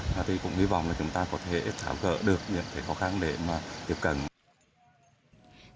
và tôi cũng hy vọng chúng ta có thể thảo gỡ được những khó khăn để tiếp cận